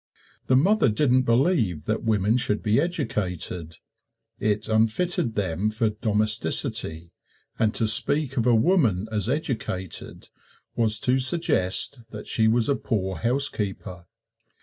The mother didn't believe that women should be educated it unfitted them for domesticity, and to speak of a woman as educated was to suggest that she was a poor housekeeper.